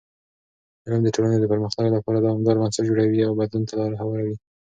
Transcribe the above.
علم د ټولنې د پرمختګ لپاره دوامدار بنسټ جوړوي او بدلون ته لاره هواروي.